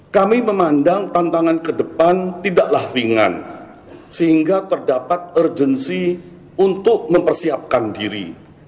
kami memandang tantangan ke depan tidaklah ringan sehingga terdapat urgensi untuk mempersiapkan diri